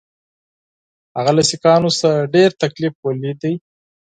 هغه له سیکهانو څخه ډېر تکلیف ولید.